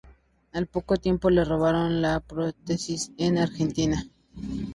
Al poco tiempo le robaron las prótesis en Argentina.